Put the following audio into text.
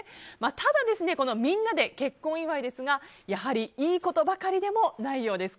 ただ、みんなで結婚祝いですがやはりいいことばかりでもないようです。